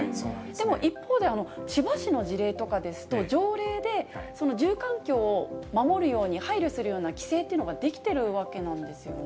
でも一方で、千葉市の事例とかですと、条例で住環境を守るように、配慮するような規制というのができてるわけなんですよね。